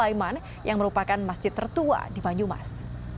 sulaiman yang merupakan masjid tertua di banyumas